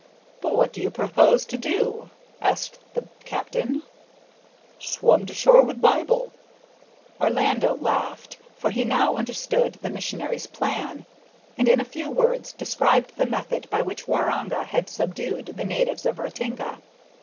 "But what do you propose to do?" asked the captain. "Swum to shore with Bibil." Orlando laughed, for he now understood the missionary's plan, and in a few words described the method by which Waroonga had subdued the natives of Ratinga.